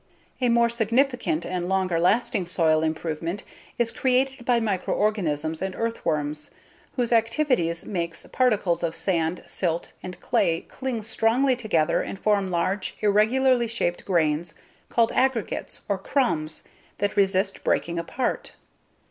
A more significant and longer lasting soil improvement is created by microorganisms and earthworms, whose activities makes particles of sand, silt, and clay cling strongly together and form large, irregularly shaped grains called "aggregates" or "crumbs" that resist breaking apart.